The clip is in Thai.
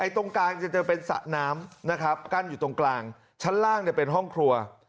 ตรงกลางจะเจอเป็นสระน้ำนะครับกั้นอยู่ตรงกลางชั้นล่างเป็นห้องครัว